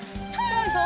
よいしょ！